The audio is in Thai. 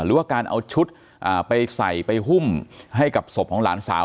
หรือว่าการเอาชุดไปใส่ไปหุ้มให้กับศพของหลานสาว